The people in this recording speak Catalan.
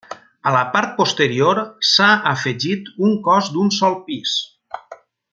A la part posterior s'ha afegit un cos d'un sol pis.